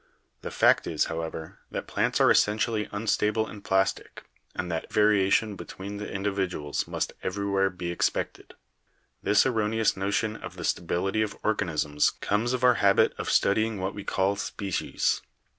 The fact is, however, that plants are essentially unstable and plastic, and that variation between the indi viduals must everywhere be expected. This erroneous notion of the stability of organisms comes of our habit of studying what we call species.